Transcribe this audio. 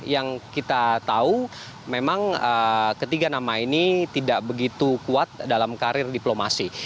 yang kita tahu memang ketiga nama ini tidak begitu kuat dalam karir diplomasi